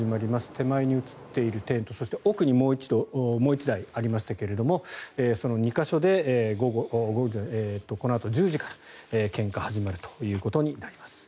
手前に映っているテントとそして、奥にもう１台ありますがその２か所でこのあと１０時から献花が始まるということになります。